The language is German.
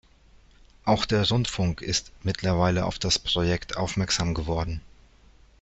Auch der Rundfunk ist mittlerweile auf das Projekt aufmerksam geworden.